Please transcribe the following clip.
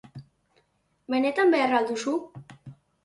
Benetan behar al duzu?